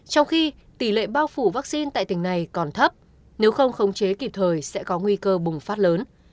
trong khi tỷ lệ bao phủ vaccine tại tỉnh này còn thấp nếu không khống chế kịp thời sẽ có nguy cơ bùng phát lớn